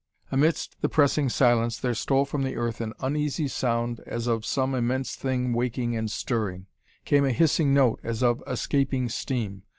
Amidst the pressing silence there stole from the earth an uneasy sound as of some immense thing waking and stirring. Came a hissing note as of escaping steam.